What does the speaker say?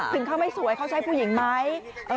ถึงเขาไม่สวยเขาใช่ผู้หญิงไหม